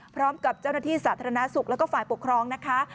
พร้อมกับเจ้าหน้าที่สาธารณสุขแล้วก็ฝ่ายปกครองนะคะ